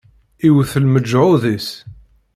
Iwwet lmeǧhud-is.